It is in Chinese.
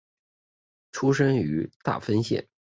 出身于大分县。